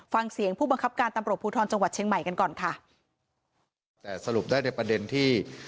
ฟังเสียงผู้บังคับการตำรวจภูทรจังหวัดเชียงใหม่กันก่อนค่ะแต่สรุปได้ในประเด็นที่